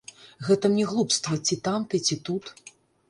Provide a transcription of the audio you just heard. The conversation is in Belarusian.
Гэта мне глупства, ці там ты, ці тут.